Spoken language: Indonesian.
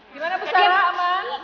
gimana bussara aman